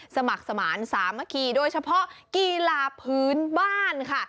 สมัครสมานสามัคคีโดยเฉพาะกีฬาพื้นบ้านค่ะ